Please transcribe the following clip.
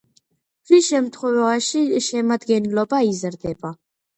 ფრის შემთხვევაში შემადგენლობა იზრდება.